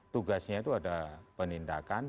tugasnya itu ada penindakan